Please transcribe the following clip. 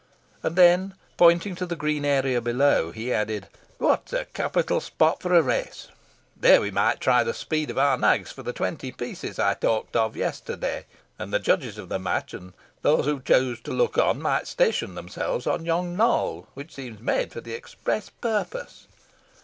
And then, pointing to the green area below, he added, "What a capital spot for a race! There we might try the speed of our nags for the twenty pieces I talked of yesterday; and the judges of the match and those who chose to look on might station themselves on yon knoll, which seems made for the express purpose.